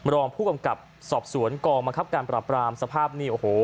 รองผู้กำกับสอบสวนกองบังคับการปราบรามสภาพนี่โอ้โห